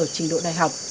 trình độ đại học